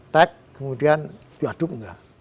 tek kemudian diaduk enggak